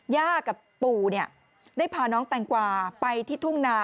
ย่ากับปู่ได้พาน้องแตงกวาไปที่ทุ่งนา